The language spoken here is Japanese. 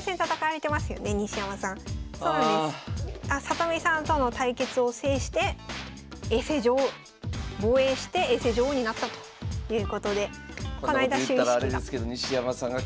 里見さんとの対決を制して永世女王防衛して永世女王になったということでこないだ就位式が。